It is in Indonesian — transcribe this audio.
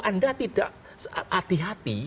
anda tidak hati hati